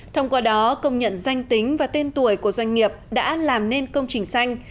thông qua đó công nhận danh tính và tên tuổi của doanh nghiệp đã làm nên công trình xanh